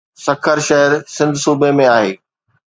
سکر شهر سنڌ صوبي ۾ آهي.